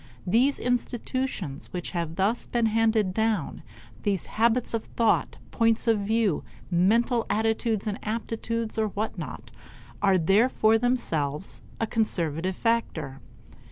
These institutions which have thus been handed down, these habits of thought, points of view, mental attitudes and aptitudes, or what not, are therefore themselves a conservative factor.